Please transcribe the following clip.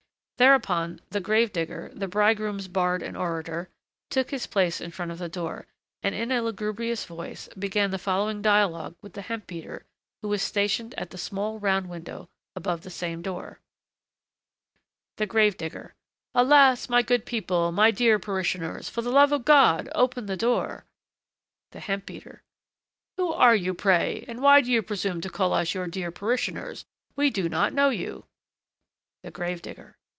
Thereupon, the grave digger, the bridegroom's bard and orator, took his place in front of the door, and, in a lugubrious voice, began the following dialogue with the hemp beater, who was stationed at the small round window above the same door: THE GRAVE DIGGER. Alas! my good people, my dear parishioners, for the love of God open the door. THE HEMP BEATER. Who are you, pray, and why do you presume to call us your dear parishioners? We do not know you. THE GRAVE DIGGER.